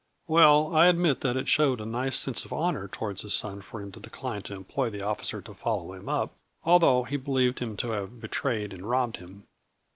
" Well, I admit that it showed a nice sense of honor towards his son for him to decline to em ploy the officer to follow him up, although he believed him to have betrayed and robbed him.